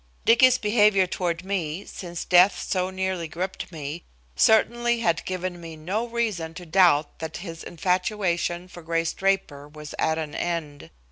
Dicky's behavior toward me, since death so nearly gripped me, certainly had given me no reason to doubt that his infatuation for Grace Draper was at an end.